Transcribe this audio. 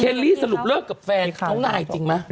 ลี่สรุปเลิกกับแฟนน้องนายจริงไหม